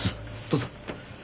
どうぞ。